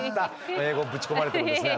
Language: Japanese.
英語ぶち込まれてもですね